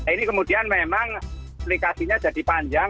ini kemudian memang aplikasinya jadi panjang